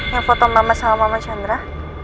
yang foto mama sama mama chandra